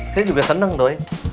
saya juga seneng doi